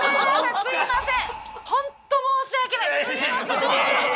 すいません！